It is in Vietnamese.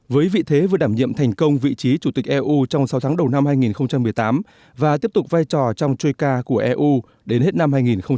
với vị thế vừa đảm nhiệm thành công vị trí chủ tịch eu trong sáu tháng đầu năm hai nghìn một mươi tám và tiếp tục vai trò trong trôica của eu đến hết năm hai nghìn một mươi chín